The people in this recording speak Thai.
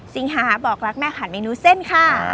สิงหาบอกรักแม่หันเมนูเส้นค่ะ